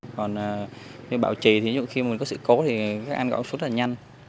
còn bảo trì thì khi mình có sự cố thì các anh gọi xuất là nhanh